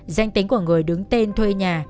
danh tính của người đứng tên thuê nhà